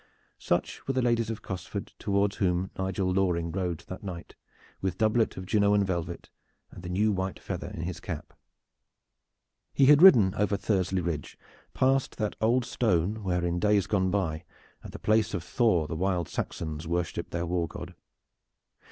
Such were the ladies of Cosford toward whom Nigel Loring rode that night with doublet of Genoan velvet and the new white feather in his cap. He had ridden over Thursley Ridge past that old stone where in days gone by at the place of Thor the wild Saxons worshiped their war god.